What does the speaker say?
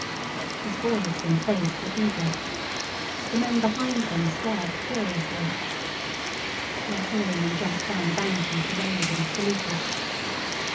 His voice and face were eager. The men behind him stared curiously. The artilleryman jumped down the bank into the road and saluted.